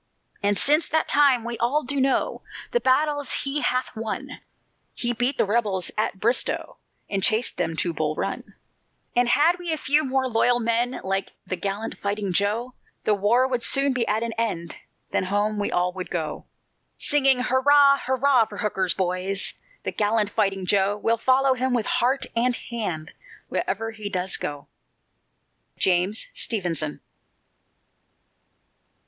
And since that time we all do know The battles he hath won; He beat the rebels at Bristow, And chased them to Bull Run; And had we a few more loyal men Like the gallant fighting "Joe," The war would soon be at an end, Then home we all would go. Singing, hurrah, hurrah, for Hooker's boys, The gallant Fighting Joe, We'll follow him with heart and hand, Wherever he does go. JAMES STEVENSON.